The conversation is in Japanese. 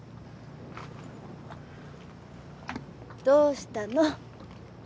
どうしたの？